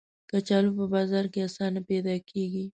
کچالو په بازار کې آسانه پیدا کېږي